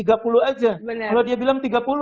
tiga puluh aja kalau dia bilang tiga puluh